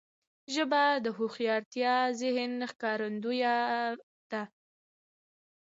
ژبه د هوښیار ذهن ښکارندوی ده